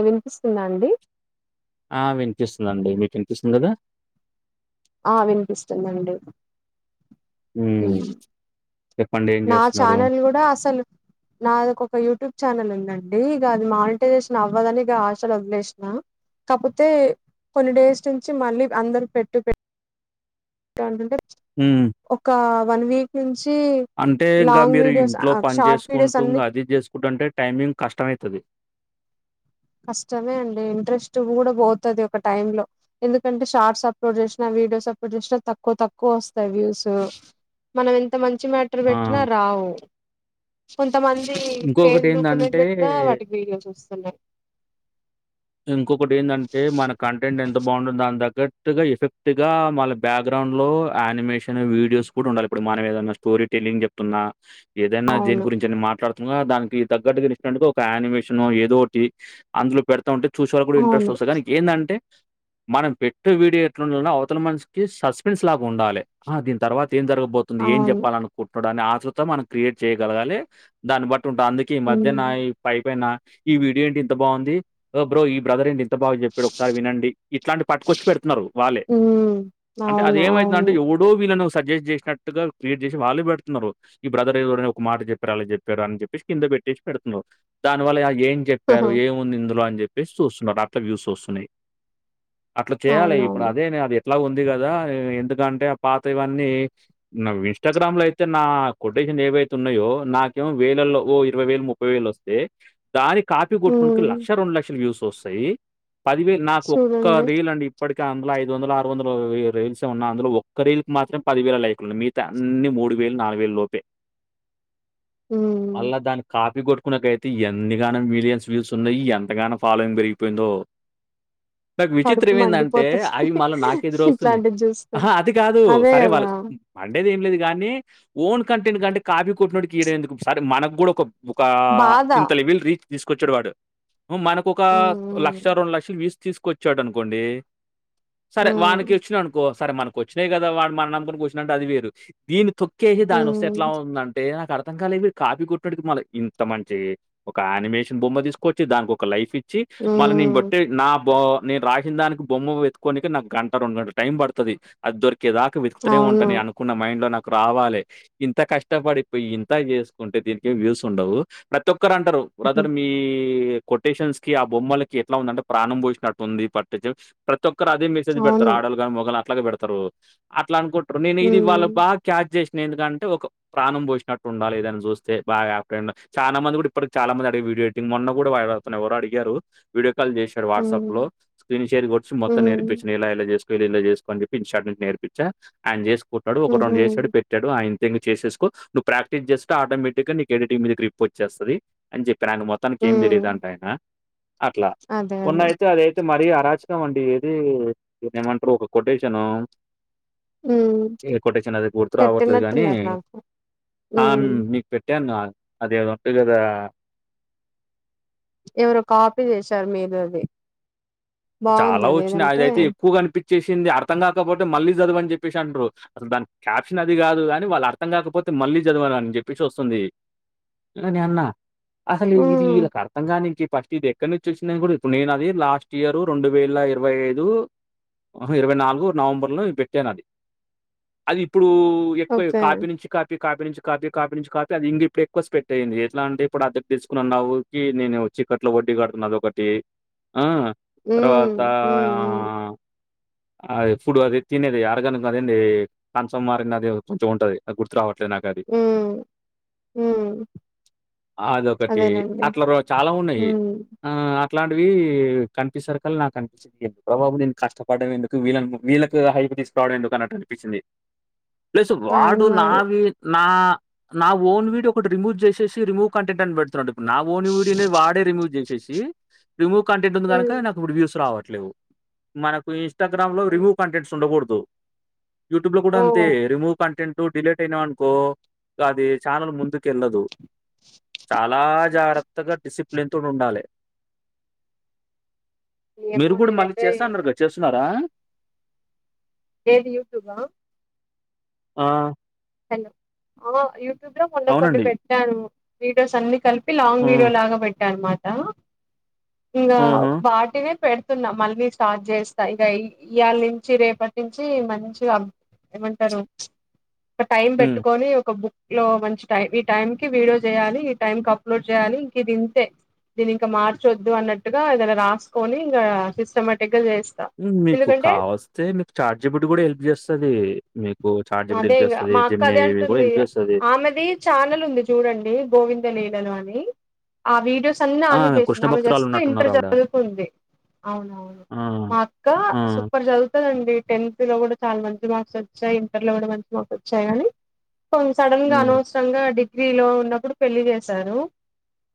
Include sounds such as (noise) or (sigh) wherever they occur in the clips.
అవిన్పిస్ ఆ విన్పిస్తుందమ్డి మీకిన్ పిస్తుంది కదా ఆ విన్పిస్తుందండి ఊ నా ఛానల్ గుడా అసల్ నదొకొకయూ ట్యూబ్ ఛానల్ ఉందండి ఇగ అది మానిటైజేషన్ అవ్వదని ఇగ ఆశలొదిలేసినా కపోతే కొన్ని డేస్ నుంచి మళ్ళీ అందరు పెట్టు పెట్ అంటుంటే హ్మ్. ఒకా వన్ వీక్ నుంచి అంటే ఇంకా లాంగ్ మీరు వీడియోస్ ఇంట్లో ఆ పన్ షార్ట్ చేస్ వీడియోస్ కుంటూ అన్ని ఇంకా అది చేస్కుంటాటే టైమింగ్ కష్టమైతది కష్టమే అండి ఇంట్రెస్ట్ కూడా పోతది ఒక టైమ్ లో ఎందుకంటే షార్ట్స్ అప్లోడ్ చేసినా వీ డియోస్ అప్లోడ్ చేసిన తక్కువ తక్కువ వస్తాయి వ్యూవ్సు మనం ఎంత మం చి మేటర్ ఆ! పెట్టినా రావు కొం తమంది ఫేస్ బుక్ నుండి ఇంకొకటేందంటే, పెట్టినా వాటికి వీడియోస్ వొస్తున్నాయి ఇంకొకటేన్ దంటే మన కంటెంట్ ఎంత బాగుందో దాన్ తగ్గట్ ఎఫెక్ట్ ఎఫెక్ట్ గా మళ్ళ బ్యాక్గ్రౌం లో ఆనిమేషన్ వీడియోస్ కూడా ఉండాలి ఇప్పుడు మనం ఏదైనా స్టోరీ టెల్లింగ్ చెప్తున్నా ఏదైనా దేని అవును గురించి అన్ని మాట్లడ్ ఇంగ దానికి తగ్గట్టుగా ఇన్స్టంట్ గా ఒక ఆనిమేషన్ ఓ ఏదో ఓటి అందులో పెడతా ఉంటే చూసెవాళ్ళ కూడా ఇంట్రెస్ట్ అవును వస్తాది కానీ ఏంది అంటే మనం పెట్టే వీడియో ఎట్లుండాల అంటే అవతల మనిషికి సస్పెన్స్ లాగుండాలే ఆ దీని తర్వాత్ ఏం జరగబోతుంది ఏం అవును చెప్పాల అనుకుంటున్నాడు అని ఆతృత మనం క్రియేట్ చేయగలగాలె దాన్ని బట్ టూంటా అందుకే ఈ మధ్యన ఉమ్ ఈ పై పైన ఈ వీడియో ఏంటి ఇంత బాంది బ్రో ఈ బ్రదర్ ఏంటి ఇం ఎంత బాగ్ చెప్పాడు ఒకసారి వినండి ఇట్లాంటి పట్టుకొచ్చి పెడుతున్నారు వాళ్ళే ఉమ్ అంటే అవును అదేమైతంది అంటే అవును ఎవడో వీలనొస్ సజెస్ట్ చేసినట్టుగా క్రియేట్ చేసి వాళ్ళే పెడుతున్నారు ఈ బ్రదర్ ఏదని ఒక మాట చెప్పారు అలా చెప్పారు అని చెప్పేసి కింద పెట్టేసి పెడుతున్నావ్ దాని వల్ల యాక్ ఏం హహ చెప్పారు ఏం ఉంది ఇందులో అని చెప్పేసి చూస్తున్నారు అట్లా వ్యూస్ వస్తున్నాయి అట్లా చేయాలే ఇప్పుడు అవునవును అదేనే అది అట్లా ఉంది కదా ఎందుకంటే ఆ పాతవన్నీ ఇన్స్టాగ్రామ్ లో అయితే నా కొ ఏవైతే ఉన్నాయో నాకేమో వేలల్లో ఓ ఇరవై వేలు ముప్పై వేలు వస్తే దాన్ని కాపీ కొట్టుకున్నోడికి ఉమ్ లక్ష రెండు లక్షల వ్యూస్ వస్తాయి పదివేలు నాకు ఒక్క చూడండి రేల్ అండి ఇప్పటి అందులో ఐదు వందల ఆరు వందలో రిల్స్ ఉన్నా అందులో ఒక్క రిల్ కు మాత్రమే పదివేల లైక్లు ఉన్నయి మిగత అన్ని మూడు వేలు నాలుగు వేలు లోపే ఉమ్ మళ్ళా దాన్ని కా పి కొట్టుకున్నాకైతే ఎంతగానం మిలియన్స్ వ్యూస్ ఉన్నాయి ఎంతగానో ఫాలోయింగ్ పెరిగిపోయిందో నాకు కడుపు విచిత్రం ఎందంటే మండిపోతది అవి మళ్ళీ నాకెదురు వస్తున్నాయి ఇట్లాంటిది చూస్తే ఆహా అది కాదు అదే సరే వాళ్ళ కదా మండేది ఏం లేదు గానీ ఓన్ కంటెంట్ కంటే కాపీ కొట్టినోడికియడం ఎందుకు సరే మనకు కూడా ఒక ఒక బాధ ఇంత లీవీల్ రీచ్కు తీసుకొచ్చాడు వాడు మ్ మన ఓక ఉమ్ లక్ష రెండు లక్షలు వీవ్స్ తీసుకొచ్చాడనుకోండి సరే ఉమ్ వానికోచ్చినాయ్ అనుకో సరే మనకు వచ్చినాయి కదా వాడ్ (unintelligible) అది వేరు దీన్ని తొ కేసి దాని వస్తే ఎట్లా ఉమ్ ఉందంటే నాకు అర్ ర్థం కాలే వీడు కాపీ కొట్టనోడికి మళ్ళ ఇంత మంచి ఒక ఆనిమేషన్ బొమ్మ తీసుకొచ్చి దానికి ఒక లైఫ్ చ్చి మళ్ళ నిన్ ఉమ్ బెట్టే నాభో నేను రాసిన దానికి బొమ్మ ఎత్తుకొనికే నాకు గంట రెండు గంట టైం పడుతది అది దొర్ కే దాకా వేతుకుతనే ఉంట అవును నిను అనుకున్న మైండ్ లో నా రావాలే ఇంత కష్టపడిపోయి ఇంత చేసుకుంటే దీనికి వ్యూస్ ఉండవు ప్రతి ఒక్ క్కర్ అంటారు ఉహు, బ్రదర్ మీ కొటేషన్స్ కి ఆ బొమ్మలకి ఎట్లా ఉందంటే ప్రాణం పోసినట్టుంది పట్టి ప్రతి ఒక్క క్కరదే మెసేజ్ పెడతారు అవును ఆడాళ్ళు కాని మొగళ్ళు కని అట్లాగ పెడుతారు అట్ల అకుంటారు నేను ఇది ఉమ్ వాళ్ళక్ బాగా క్యాచ్ చేస్ ఎందుకంటే ఒక ప్రాణం పోసినట్టు ఉండాలే ఏదన్న చూస్తే బాగా చాలా మంది కూడా ఇప్పటికి చాలా మంది అడిగి వీడియో టింగ్ మొన్న కూడా వ అతను ఎవరో అడి గరు వీడియో కాల్ చేశారు ఉమ్ వాట్సాప్ లో స్్రీన్ షేర్ వచ్చి మొత్తం ఉమ్ నేర్పించిన ఇలా ఇలా చేస్ చేసుకోని ప్పిన్ షార్డెస్ నేర్ించా ఆయ చేసుకుంటాడు ఒక రెండు ఉహు చేసాడు పెట్టాడు ఆయన్ చేసేసుకో నువ్వు ప్రాక్టీస్ చేస్తే ఆటోమేటిక్ గా నీకు ఎడిటింగ్ మీద గ్రిప్ వచ్చేస్తది అని చెప్ ఆయన మొత్తానికి ఏం ఉమ్ తెలియదంట ఆయన అట్లా అదే అదే మొన్న అయితే అదైతే మర్ రి అరాచకం అండి ఏది దీన్ని ఏమంటారు ఒక కొటేషను ఉమ్ ఏ కొటేషన్ అదిగుర్తు రావట్లేదు కానీ పెట్టినట్టున్నారు నాకు ఆ ఉమ్ మీకు పెట్టాను అది ఏదో ఉంటది చూడు అ ఎవరో కాపీ చేసారు మీదది చాలా వచ్చినాయి అది అయితే ఎక్కువ కనిపి చేసింది అర్థం కాకపోతే మళ్ళీ చదువని చెప్పేసి అంటారు అసలు దాని క్యాప్షన్ అది కాదు కాని వాళ్ళు అర్థం కాకపో మళ్ళీ చదవాలని చెప్పించి వస్తుంది నినన్న అసలు ఇది ఉమ్ వీళ్ళకి అర్థగానికి ఫస్ట్ ఇది ఎక్కడి నుంచి వచ్చిందని కూడా ఇప్పుడు నేనది లాస్ట్ ఇయరు రెండు వేల ఇరవై ఐదు అహ ఇరవై నాలుగు నవంబర్ లో పెట్టానది అది ఇప్పుడు ఎక్కువ ఓకే కాపీ నుంచి కాపీ కాపీ నుంచి కాపీ కాపీ నుంచి కాపీ అది ఇంగ ఇప్పుడు ఎక్కువ స్ప్రెడ్ అయింది ఎట్ల అంటే (unintelligible) నేను వచ్చి క్కట్ల వడ్డీ కడుతున్న అదొకటి ఆ తర్వాత ఉమ్ ఉమ్ ఆ ఉమ్ అదే ఫుడు అదిే తినేది ఆరగన అదండి కంచం మారిన అది కొంచెం ఉంటది అది గుర్తు రావట్ వట్లే నాకు అది ఉమ్ ఉమ్ ఆ అదొకటి అదేనండి అట్లా రోజ చాలా ఉన్నాయి ఉమ్ ఆ అట్లాంటివి కనిపిస్తారు కల్ నాకు అనిపించదు ఎందుకు రా బాబు నేను కష్టపడడం ఎందుకు వీ వీళ్లకి హైపు తీసుకురావడం ఎందుకు అన్న అ ప్లస్ వాడు అవును మరి నావి నా నా ఓన్ వీడియో ఒకటి రిమూవ్ చేసేసి రిమూవ్ కంటెంట్ అని పెడుతున్నాడు నా ఓన్ వీడియోని వాడే రిమూవ్ చేసేసి రిమూవ్ కంటెంట్ ఉంది ఉమ్ నాకు ఇప్పుడు వ్యూస్ మనకు ఇన్స్టాగ్రామ్ లో రిమూవ్ కంటెంట్స్ ఉండకూడదు యూట్యూబ్ లో కూడా ఓ అంతే రిమూవ్ కంటెంట్ డిలీట్ అయినావనుకో అది ఛానల్ ముందు కెల్లదు చాలా జాగ్రత్తగా డిసిప్ నీలాంటోలు ఉండాలే ఏమో మీరు కూడా మళ్ళీ నేనైతే చేస్తాన్నారు న కదా చేస్తున్నారా ఏది యూట్యూబ ఆ హలో ఆ యూట్యూబ్ లో మొన్న కొన్ని అవునండి. పెట్టాను వీడియోస్ అన్ని కలిపి లాంగ్ వీడియో హ్మ్. లాగా పెట్టా అనమాట ఇంకా హుహు. వాటినే పెడ పెడుతున్న మళ్ళీ స్టార్ట్ చేస్తా ఇక ఇవాళ నుంచి రేపటి నుంచి మంచిగా ఏమంటారు ఒక టైం హ్మ్. పెట్టుకొని ఒక బుక్ మంచి టై ఈ టైం కి వీడియో చేయాలి ఈ టైమ్ కి అప్లోడ్ చేయాలి ఇంక ఇది ఇంతే దీని ఇంకా మార్చొద్దు అన్నట్టుగా ఇదలా రాసుకొని ఇంకా సిస్టమటిక్ మీకు కావస్తే మీకు చాట్ జిపిటి కూడా హెల్ప్ చేస్తది మీకు చాట్ జీపీటీ అదే హెల్ప్ ఇంకా జేస్తది. మా అక్క జెమినీ అదే ఇవి గూడా అంటుంది హెల్ప్ జేస్తది. ఆమెది ఛానల్ ఉంది చూడండి గోవింద లేద అని ఆ వీడియోస్ అన్ని ఆ! ఆమె చేసింది కృష్ణ ఆమె జస్ట్ భక్తురాలున్నట్టున్నారు ఇంటర్ ఆవిడ. చదువుతుంది అవునవును ఆ! మా అక్క ఆ! సూపర్ చదువుతుందండి టెన్త్ లో కూడా చాలా మంచి మార్క్స్ వచ్చాయి ఇంటర్ లో కూడా మంచి మార్క్స్ వచ్చాయి కానీ కొంచం సడన్ గా హ్మ్. అనవసరంగా డిగ్రీలో ఉన్నప్పుడు పెళ్లిి చేసారు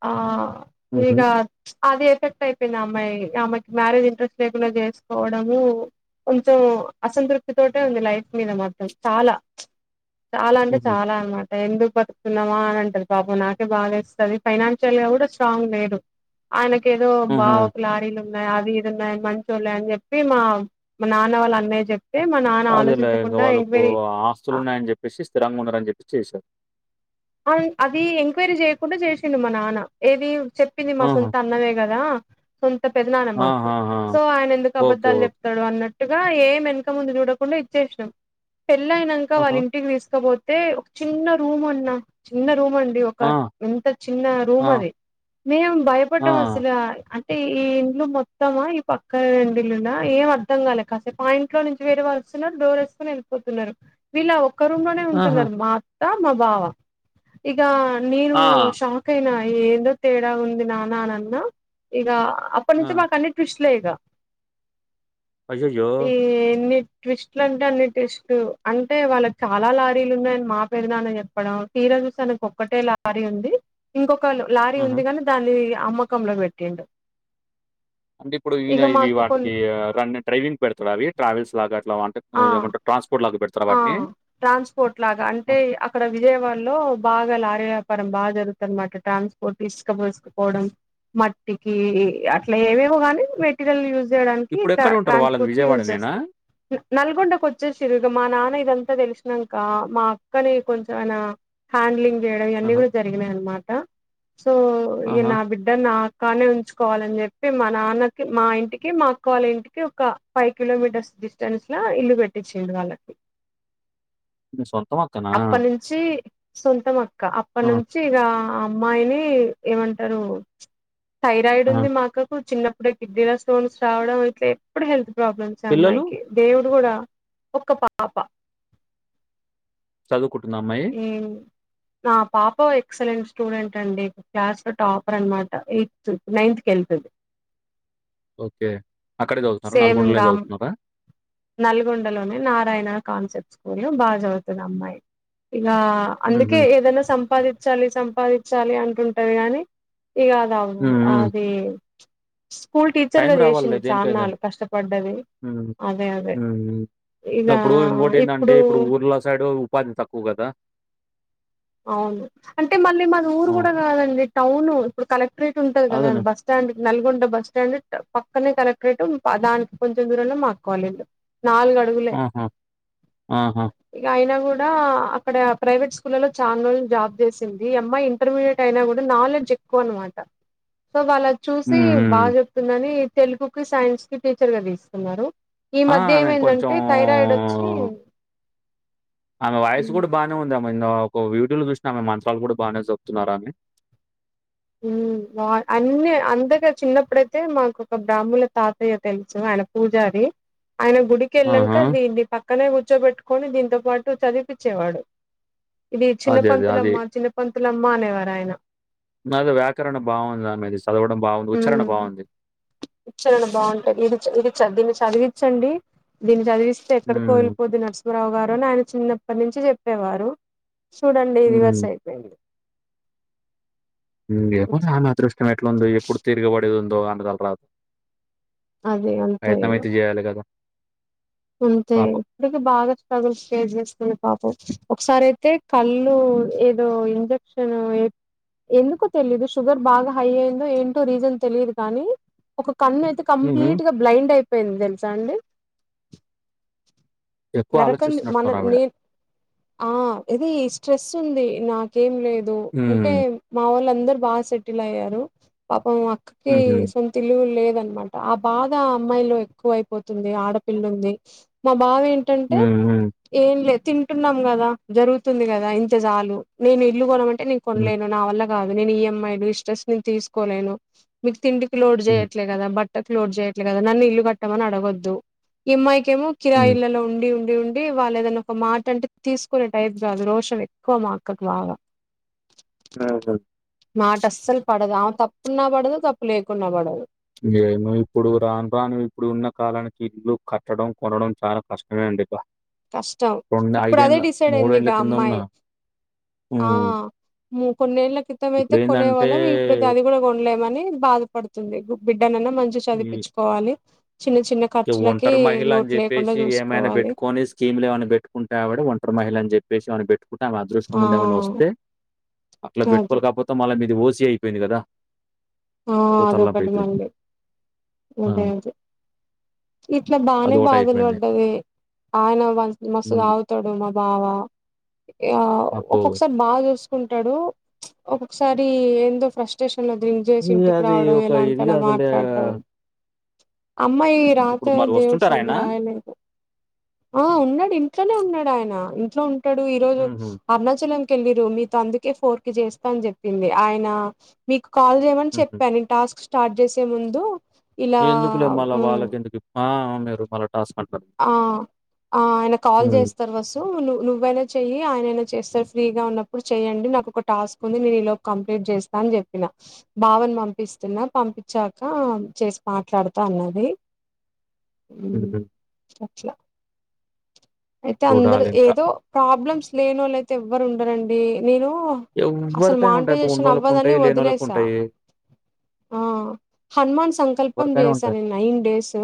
ఆ హుహు. ఇగ అది ఎఫెక్ట్ అయిపోయింది అమ్మాయి అమ్మాయికి మ్యారేజ్ ఇంట్రెస్ట్ లేకుండా చేసుకోవడము కొంచెం అసంతృప్తితోటీ ఉంది లైఫ్ మీద మాత్ర మాత్రం చాలా చాలా అంటే హుహు. చాలా అనమాట ఎందుకు బతుకుతున్నామా అని అంటాది పాపం నాకే బాధ వేస్తాది ఫైనాన్షియల్గా కూడా స్ట్రాంగ్ లేరు ఆయనకు ఏదో హుహు. బావకు లారీలు అది ఇది ఉన్నాయి మంచి వాళ్ళ అని చెప్పి మా మా నాన్న వాళ్ళ అన్నయ్య చెప్ప తే మా నాన్న ఆలోచించకుండా ఓ ఎంక్వైరీ ఆస్తులు ఉన్నాయని చెప్పేసి స్థిరంగా ఉన్నారని చెప్పేసి చేశారు అది ఎంక్వైరీ చేయకుండా చేసిండు మా నాన్న ఏది చెప్పింది మా ఆహా! సొంత అన్ననే కదా సొంత పెదనాన్న మాకు ఆహాహా! సో ఆయన ఎందుకు ఓకే. అబద్ధాలు ఓకే. చెప్తాడు అన్నట్టు గా ఏం వెనక ముందు చూడకుండా ఇచ్చేసినాం పెళ్ళయినాక వాళ్ళ ఆహా! ఇంటికి తీసుకపో తే ఒక చిన్న రూమ్ అన్న చిన్న రూమ్ అండి ఒక ఆ! ఎంత చిన్న రూమ్ ఆ! అది మేం ఆ! భయపడ్డం అసలు టి ఈ ఇండ్లు మొత్తమా ఈ పక్క రెండు ఇల్లులా ఏం అర్థం కాలే కాసేపు ఆ ఇంట్లో నుంచి వేరే వాళ్ళు వస్తున్నారు డోర్ సుకొని వెళ్ళిపోతున్నారు వీలా ఒక ఒక్క రుంలోనే ఆహా! ఉంటున్నారు మా అత్త మా బావ ఇక నేను ఆ! షాక్ అయిన ఏందో తేడా ఉంది నాన్న అని అన్న, ఇగా అప్పటి ఆ! నుంచి మాకు అన్ని ట్విస్ట్ అయ్యయ్యో! ఏం లేద్ ట్విస్ట్లు అంటే అన్ని ట్విస్ట్, అంటే వాళ్ళకి చాలా లారీలు ఉన్నాయని మా పేరునా అని చెప్పడం. తీరా చూస్తే ఆయనికి ఒక్కటే లారీ ఉంది, ఇంకొక లారీ ఆహా! ఉంది గని దాన్ని ఇగ అమ్మకంలో పెట్టిండు. అంటే ఇప్పుడు ఈనా ఇగ ఇవి మాకు కొన్ వాటికి రన్ డ్రైవింగ్ పెడతడ అవి, ట్రావెల్స్ లాగా అట్లా అంటే ఉమ్ ఆ లేకుంటే ట్రాన్స్పోర్ల్ ఆ ట్రాన్స్పోర్ట్ లాగా, అంటే ఆ! అక్కడ విజయవాడలో బాగా లారీ (unintelligible) తరం బాగా జరుగుతది అన్నమాట, ట్రాన్స్పోర్ట్ ఇసుకపోసుకుపోవడం. మట్టికి అట్లా ఏవేవో గాని, మెటీరియల్ యూజ్ చెయ్యడానికి ఇట్లా ఇప్పుడెక్కడ ఉంటారు? వాళ్ళది ట్రాన్స్పోర్ట్ కీ యూస్ విజయవాడనేనా? చేస్తార్. న నల్గొండకి ఓచ్చేసిన్ర్ ఇలా ఇదంతా తెలిసినంక, మా అక్కని కొంచం ఆయన హ్యాండ్లింగ్ చెయ్యడం ఇవన్నీ ఆహా! కూడా జరిగినాయి అనమాట. సో ఇగా ఆహా! నా బిడ్డ నాక్ కాన్నే ఉంచుకోవాలని జెప్పి మా నాన్నకి మా ఇంటికి, మా అక్కళ్ళ ఇంటికి ఒక ఫైవ్ కిలోమీటర్స్ డిస్టెన్స్ లా ఇల్లు పెట్టించిండు వాళ్ళక్ మీ సొంతం అక్కనా? అప్పడ్ నుంచి సొంతం అక్క. అప్పడ్ ఆ! నుంచి ఇగా ఆ అమ్మాయిని ఏమంటారు థైరాయిడ్ ఆ! ఉంది మాక్కకు, చిన్నప్పుడే కిడ్నీల స్టోన్స్ రావడం, ఇట్ల ఎప్పుడు హెల్త్ ప్రాబ్లమ్స్ పిల్లలు? అమ్మాయికి. దేవుడు గుడా ఒక్క పాప చదువుకుంటుందా అమ్మాయి. ఆ పాప ఎక్సలెంట్స్ స్టూడెంట్ అండి, క్లాస్ లో టాపర్ అన్మాట ఎయిత్, నైన్త్ క్లా కేళ్తది. ఓకే అక్కడే చదువుతన్రా, సేమ్ నల్గొండలనే ఇంకా చదువుతున్నారా. నల్గొండలోనే, నారాయణ కాన్సెప్ట్స్ (unintelligible) బాగా చదువుతది ఆ అమ్మాయి. ఇగా అందుకే హుహు. ఏదైనా సంపాదిత్ చలి సంపాదించాలి అంటుంటది గాని, ఇగా అద్ అవ్ హ్మ్. హ్మ్. అది స్కూల్ టీచర్ టైం గా రావాలిలే చేసింది దేనికై దా చాన్నాళ్ళు కష్టపడ్డది ఉమ్ అదే అదే ఉమ్ ఇక అప్పుడు ఇంకోటి ఏంటంటే, ఇప్పుడు ఊర్లో సైడు ఉపాధి తక్కువ కదా. అవును, అంటే మళ్ళీ మాది ఊరు హ్మ్. గుడా కాదండి టౌను, ఇప్పుడు కలెక్టరేట్ ఉంటది కదాండి అదేలే. బస్టాండ్, (unintelligible) నల్గొండ బస్టాండ్ టౌ పక్కనే కలెక్టరేట్, పా దానికి కొంచెం దూరంలో మా అక్కవాళ్ళ ఇల్లు. నాల్గు అడుగులే, ఆహా! ఆహా! ఇగా అయినా గుడా అక్కడ ప్రైవేట్ స్కూల్లలో చానా రోజలు జాబ్ చేసింది. ఈ అమ్మాయి ఇంటర్మీడియట్ అయినా గుడా నాలెడ్జ్ ఎక్కువ అన్నమాట. సో వాళ్ళ అద్ చూసి, హ్మ్. హ్మ్. బాగ్ చెప్తుందని తెలుగుకిి, సైన్స్ కి టీచర్గా దిస్కున్నారు. ఈ ఆ! మధ్య ఆమె కొంచెం ఏమైందంటే థైరాయిడ్ ఒచ్చి, ఆమె వాయిస్ గుడా బాగానే ఉంది, ఆమె (unintelligible) ఒక వీూడియో లో జూసినా, ఆమె మంత్రాలు గుడా బాగనే చెప్తున్నారామె. ఉమ్మ్ ఉమ్ మా అన్ని, అంతగా చిన్నప్పుడైతే మాకు ఒక బ్రాహ్మల తాతయ్య తెలుసు, ఆయన పూజరి. (unintelligible) ఆయన గుడికి ఏళ్లినంక, ఆహా! దీన్ని పక్కనే కుర్చోబెట్టుకొని దీంతో పాట్ టు చదిపిచ్చేవాడు. ఇది చిన్న అదే. అదే. అది. పంతులమ్మ, చిన్నపంతులమ్మ అనేవారు ఆయన. (unintelligible) వ్యాకరణ బాగుంది ఆమెదిస్క్ ఉమ్ ఉచ్చారణ బాగుంటాది. ఇడిచ, ఇడిచ, దినిచ చదివిచ్చన్డి, దీన్ని చదివిస్తే ఎక్కడికో హ్మ్. వెళిపోద్ (unintelligible) రావు గారు అని ఆయన చిన్నప్పటి నుంచి జెప్పేవారు, చూడండి రివర్స్ హ్మ్. అయిపోయింది. ఉమ్ ఏమో అట్లా ఆమె అదృష్టం ఎట్లా ఉందో, ఎప్పుడు తిరిగిబడేది ఉందో తలరాత్. అది అంతే ప్రయత్నం ఇగ. ఐతే చేయాల కద అంతే ఇప్పటికి బాగా స్ట్రగుల్స్ ఫేజ చేస్తుంది పాపం ఒకసారి అయితే అయితే కళ్ళు ఏదో ఇంజక్షన్ ఎందుకు తెలియదు షుగర్ బాగా హై అయిందో ఏంటో రీజన్ తెలియదు కానీ ఒక కన్ను అయితే హుహు. కంప్లీట్ గా బ్లైండ్ అయిపోయింది తెలుసా అండి ఎక్కువ నరకం మన ఆలోచిస్తున్నట్టున్నారావిడ. నేను ఆ ఏది స్ట్రెస్ ఉంది నాకేం లేదు అంటే హ్మ్. మా వాళ్ళ అందరు బా సెటిల్ అయ్యరు పాపం అక్కకి హుహు. సొంత ఇల్లు కూడా లేద్ అనమాట ఆ బాధ ఆ అమ్మాయిలో ఎక్కువ అయిపోతుంది ఆడపిల్లు ఉంది మమ్ బావ ఏంటంటే హ్మ్. హ్మ్. ఏం లేదు తింటున్నాం కదా జరుగుతుంది కదా ఇంత చాలు నేను ఇల్లు కొనమంటే నేను హ్మ్. కొనలేను నా వల్ల కాదు నేను ఈఎంఐ ఇ స్ట్రెస్ నేను తీసుకోలేను మీకు తింకి లోడ్ హ్మ్. చేయట్లే కదా బట్ క్లోడ్ చేయట్లే కదా నన్న ఇల్లు కట్టమని అడగొద్దు ఈమ్మాయికిమో కిరాయి హ్మ్. ఇల్లలో ఉండి ఉండి ఉం డి వాళ్ళ ఏదైనా ఒక మాట అంటే తీసుకునే టైప్ కాదు రోషం ఎక్కువ మా అక్కకు బాగా రాదు మాట అస్సలు పడదు ఆమ తప్పున్నా పడదు తప్పు లేకున్నా పడదు ఏమో ఇప్పుడు రాను రాను ఇప్పుడు ఉన్న కాలానికి ఇల్లు కట్టడం కొనడం చాలా కష్టమే అండి ఇక కష్టం ఇప్పుడు అదే డిసైడ్ అయిందిగా ఇగ ఏండ్ల ఆ కిందున్న అమ్మాయి ఆ హ్మ్. ఇగ కొన్నేళ్ల క్రితం అయితే ఇప్పుడేందంటే కొనేవాళ్ళమ ఇప్పుడైతే అది కూడా కొనలేమని బాధపడుతుంది బిగు బిగు ఎడనన్నా మంచిగా ఈ చదిపించుకోవాలి చిన్న చిన్న ఈ ఖర్చులకి ఒంటరి లోటు లేకుండా చూసుకోవాలి చేమీలేవనీ పెట్టుకుంటే ఆవిడ ఒంటరీ మహిళ అని చెప్పేసి అని పెట్ కుంటే ఆమ అదృష్టం ఆ ఉండేమని వస్తే అట్లా అది పెట్టుకోవాలి కాకపోతే మళ్ళ మీద ఓసి అయిపోయింది కదా ఆ అదో తలనొప్పి అదొకటి అయిపోయింది. మళ్ళి ఆ! ఇదే ఇదే ఇట్లా బానే అదొకటి బాధలు అయిపోయింది. పడ్డది ఆయన మస్ మస్తు హ్మ్. తాగుతడు మా బావ ఆ అబ్బో! ఒక్కొక్కసారి బాగా చూస్ కుంటడు ప్చ్ ఒకొకసారి ఎందో ఫ్రస్టేషన్ లో ది ఇది ఇంటికి అది రావడం ఒక ఎలా అంటే ఇది అలా కాదులే మాట్లాడడం అమ్మాయి రాత ఇప్పుడు మరి దేవుడు వస్తుంటారా ఆయన? సరిగ్గా రాయలేదు ఆ ఉన్నాడు ఇంట్లోనే ఉన్నాడు ఆయన ఆ ఇంట్లో ఉంటాడు ఈ రోజు హుహు. అరుణాచలం. కెళ్ళిరు మీతో అందుకే ఫోర్ కి చేస్తా అని చెప్పింది ఆయన మీ కాల్ చే హుహు. చెప్పా టాస్క్ స్టార్ట్ చేసే ముందు ఇలా ఎందుకులే మళ్ళ మ్, వాళ్ళకి ఎందుకు ఆ మీరు మళ్ళ ఆ ఆ ఆయన కాల్ హ్మ్. చేస్తారు వసు నువ్వైనా చెయ్యి ఆయన ఐన చేస్తాడు ఫ్రీ గా ఉన్నడు చేయండి నాకు ఒక టాస్క్ ఉంది నేను ఈ లోపు కంప్లీట్ చేస్తా అని చెప్పిన బావ నేన్ పంపిస్తున్నా పంపించాక చేసి మాట్లాడుతా అన్నది (inaudible) హుహు. ఊ అయితే అందరు చూడాలింకా. ఏదో ప్రాబ్లమ్ లేని వాళ్ళు అయితే ఎవ్వరు ఉండరండి నేను అసలు ఎవ్వరికైనా ఉంటాయి. ఇప్పుడు మోనిటసైషన్ అవ్వదనే ఉన్నోళ్ళకుంటాయి, వదిలేసా లేనోళ్ళకుంటాయి. ఆ హనుమాన్ సంకల్పం ఎవరికైనా ఉంటాయి. చేశా నేను నైన్ డేస్